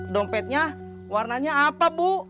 dompetnya warnanya apa bu